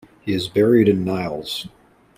He is buried in Niles.